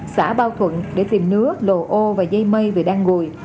xã bảo thuận để tìm nứa lồ ô và dây mây về đan gùi